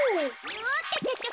おっとっとっと。